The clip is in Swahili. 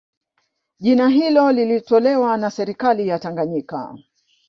Jina hilo lilitolewa na serikali ya Tanganyika